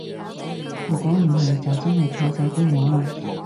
如果唔係就真係靠晒廢老喇